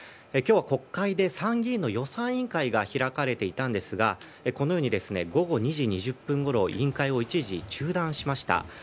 今日は国会で参議院の予算委員会が開かれていたんですがこのように午後２時２０分ごろ委員会を一時中断しました。